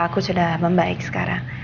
aku sudah membaik sekarang